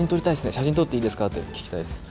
写真撮っていいですかって聞きたいです。